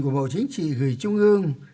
của bộ chính trị gửi trung ương